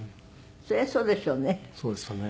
そりゃそうでしょうね。